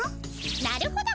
なるほど。